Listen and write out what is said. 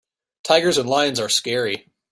Tigers and lions are scary.